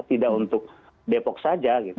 tidak untuk depok saja